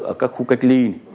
ở các khu cách ly